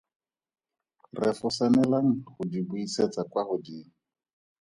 Refosanelang go di buisetsa kwa godimo.